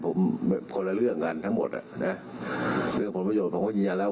ผมคนละเรื่องกันทั้งหมดอ่ะนะเรื่องผลประโยชนผมก็ยืนยันแล้ว